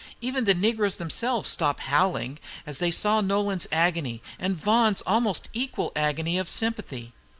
Even the negroes themselves stopped howling, as they saw Nolan's agony, and Vaughan's almost equal agony of sympathy.